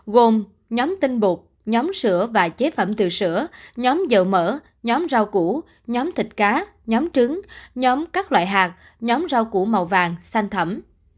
gồm nhóm tinh bột nhóm sữa và chế phẩm từ sữa nhóm dầu mở nhóm rau củ nhóm thịt cá nhóm trứng nhóm các loại hạt nhóm rau củ màu vàng xanh thẩm